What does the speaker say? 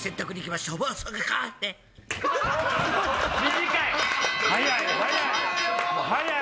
短い！